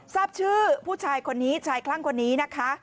ทราบชื่อผู้ชายคนนี้ชายคลั่งคนนี้นะคะ